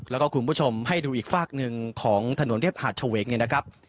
แล้วก็คุณผู้ชมให้ดูอีกฝากหนึ่งของถนนเรียบหาดเฉวงเนี่ยนะครับ